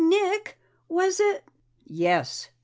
"Nick, was it ?" "Yes.